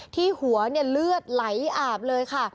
ที่หัวเลือดไหลอาบเลยค่ะ